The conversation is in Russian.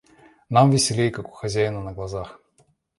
Нам веселей, как у хозяина на глазах...